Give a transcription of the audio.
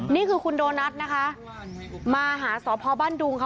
นี่คือคุณโดนัทนะคะมาหาสพบ้านดุงค่ะ